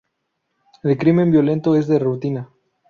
El crimen violento es de rutina.